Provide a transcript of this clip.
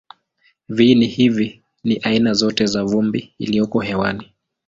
Viini hivi ni aina zote za vumbi iliyoko hewani.